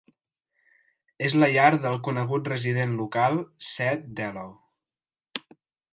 És la llar del conegut resident local Seth Dellow.